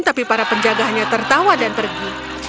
tapi para penjaganya tertawa dan pergi